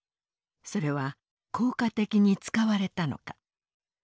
それは効果的に使われたのか。